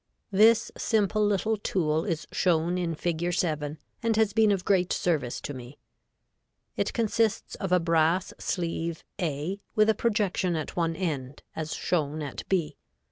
This simple little tool is shown in Fig. 7, and has been of great service to me. It consists of a brass sleeve A, with a projection at one end as shown at B.